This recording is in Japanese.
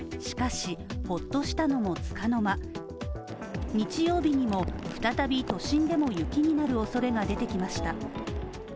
しかし、ほっとしたのもつかの間日曜日にも再び都心でも雪になるおそれが出てきました。